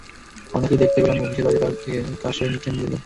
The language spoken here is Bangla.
অনেককেই দেখতে পেলাম অফিসের বাইরের পার্কে বসে সেরে নিচ্ছেন নিজের কাজ।